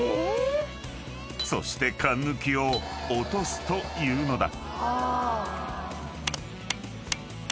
［そしてかんぬきをおとすというのだ］